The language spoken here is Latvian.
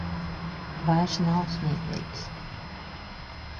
Vairs nav smieklīgs.